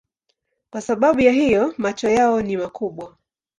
Kwa sababu ya hiyo macho yao ni makubwa.